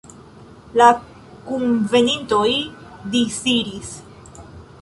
La kunvenintoj disiris.